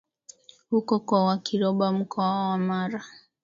huko kwa Wakiroba Mkoa wa Mara